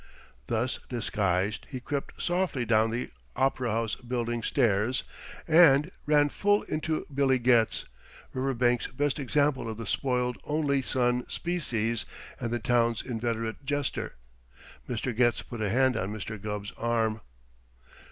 Thus disguised, he crept softly down the Opera House Building stairs and ran full into Billy Getz, Riverbank's best example of the spoiled only son species, and the town's inveterate jester. Mr. Getz put a hand on Mr. Gubb's arm.